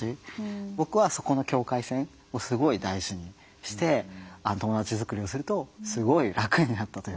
僕はそこの境界線をすごい大事にして友達づくりをするとすごい楽になったというか。